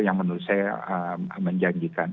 itu saya menjanjikan